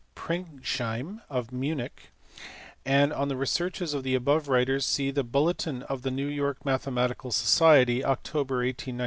Pringsheim of Munich ; on the researches of the above writers see the Bulletin of the New York Mathematical Society, October, 1892, pp.